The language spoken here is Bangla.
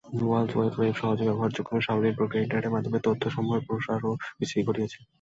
ওয়ার্ল্ড ওয়াইড ওয়েব সহজে ব্যবহার যোগ্য ও সাবলীল পক্রিয়ায় ইন্টারনেটের মাধ্যমে তথ্য সমূহের প্রসার বা বিস্তৃতি ঘটিয়েছে।